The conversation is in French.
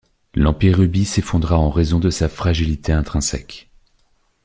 L'Empire Rubis s'effondra en raison de sa fragilité intrinsèque.